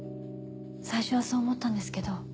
最初はそう思ったんですけど。